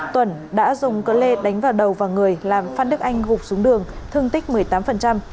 tùng đã dùng cơ lê đánh vào đầu và người làm phan đức anh gục xuống đường thương tích một mươi tám